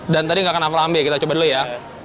dan tadi gak kena flambe kita coba dulu ya